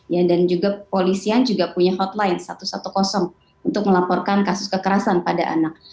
ya dan juga polisian juga punya hotline satu ratus sepuluh untuk melaporkan kasus kekerasan pada anak